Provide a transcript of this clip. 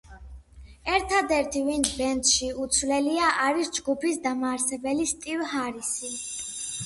ერთადერთი, ვინც ბენდში უცვლელია, არის ჯგუფის დამაარსებელი სტივ ჰარისი.